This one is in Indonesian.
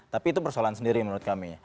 tapi itu persoalan sendiri menurut kami ya